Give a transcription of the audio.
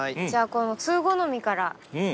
じゃあこの通好みから。